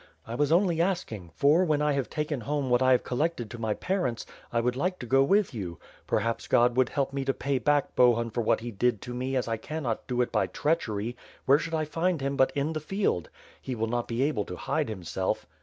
I was only asking; for, when I have taken home what I have collected to my parents, I would like to go with you. Perhaps God will help me to pay back Bohun for what he did to me, as T cannot do it by treachery, where should T find him but in the field? He will not be able to hide himself."